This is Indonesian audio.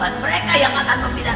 bukan mereka yang akan memilasanku